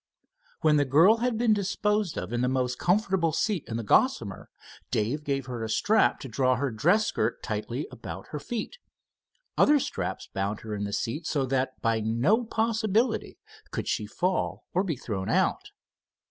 When the girl had been disposed of in the most comfortable seat in the Gossamer, Dave gave her a strap to draw her dress skirt tightly about her feet. Other straps bound her in the seat so that by no possibility could she fall or be thrown out.